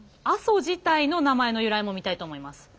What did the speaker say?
阿蘇自体の名前の由来も見たいと思います。